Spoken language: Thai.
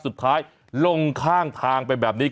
สุดท้ายลงข้างทางไปแบบนี้